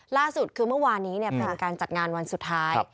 ล่าสุดคือเมื่อวานนี้เป็นการจัดงานวันสุดท้าย